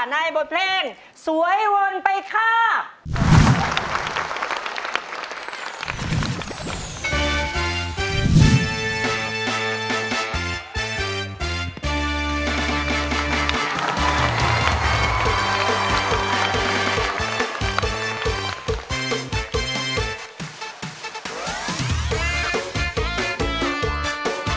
ในบทเพลงสวยวนไปค่ะ